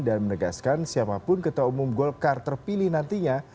dan menegaskan siapapun ketua umum golkar terpilih nantinya